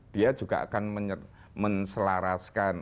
dia juga akan menselaraskan